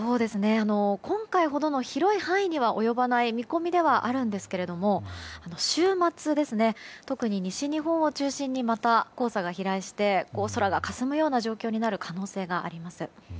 今回ほどの広い範囲には及ばない見込みではあるんですけれども週末、特に西日本を中心にまた黄砂が飛来して空がかすむような状況になる可能性があります。